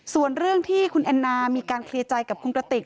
ส่วนเรื่องที่คุณแอนนามีการเคลียร์ใจกับคุณกระติก